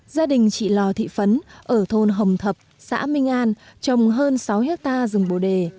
gia đình chị lò thị phấn ở thôn hồng thập xã minh an trồng hơn sáu hectare rừng bồ đề